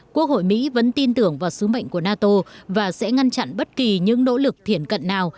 quốc hội mỹ vẫn tin tưởng vào sứ mệnh của nato và sẽ ngăn chặn bất kỳ những nỗ lực thiển cận nào